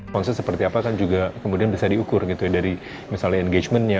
konsep seperti apa kan juga kemudian bisa diukur gitu ya dari misalnya engagementnya